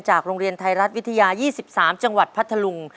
โรงเรียนไทยรัฐวิทยา๒๓จังหวัดพัทธลุง